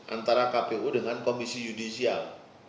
antara kpu dengan komisi yudisial